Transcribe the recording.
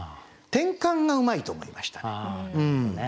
転換がうまいと思いましたね。